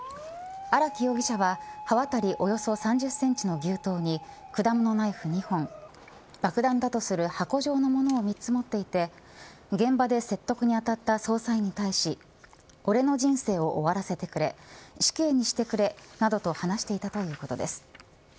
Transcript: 荒木容疑者は、刃渡りおよそ３０センチの牛刀に果物ナイフ２本爆弾だとする箱状のものを３つ持っていて現場で説得に当たった捜査員に対し俺の人生を終わらせてくれ死刑にしてくれなどと話していたということです。